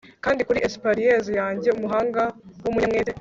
kandi kuri espaliers yanjye, umuhanga w'umunyamwete